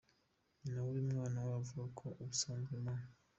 Nyina w’uyu mwana, we avuga ko ubusanzwe M.